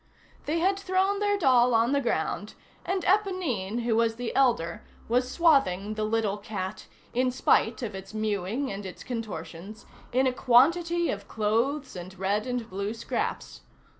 They had thrown their doll on the ground, and Éponine, who was the elder, was swathing the little cat, in spite of its mewing and its contortions, in a quantity of clothes and red and blue scraps.